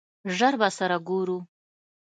ژر به سره ګورو !